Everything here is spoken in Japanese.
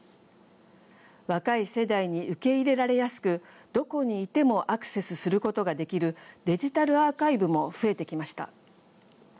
若い世代に受け入れられやすくどこにいてもアクセスすることができるデジタルアーカイブも増えてきました。